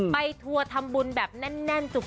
ทัวร์ทำบุญแบบแน่นจุก